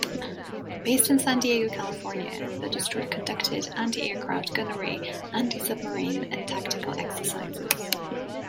Based in San Diego, California the destroyer conducted antiaircraft gunnery, antisubmarine, and tactical exercises.